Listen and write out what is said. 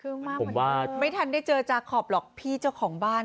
คือมาเหมือนเดิมไม่ทันได้เจอจาคอบหรอกพี่เจ้าของบ้าน